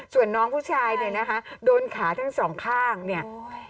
ส่วนน้องผู้ชายเนี่ยนะคะโดนขาทั้งสองข้างเนี่ย